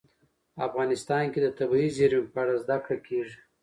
افغانستان کې د طبیعي زیرمې په اړه زده کړه کېږي.